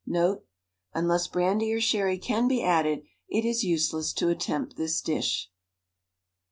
'''Note: Unless brandy or sherry can be added it is use less to attempt this dish.